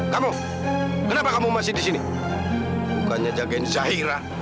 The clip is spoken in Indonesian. kamu kenapa kamu masih di sini bukannya jagain zahira